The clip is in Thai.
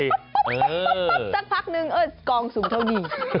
สักพักหนึ่งกองสูงเท่านี้